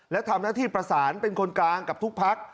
และทำหน้าที่ประสานเป็นคนกลางกับทุกพัก